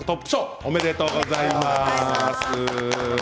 おめでとうございます。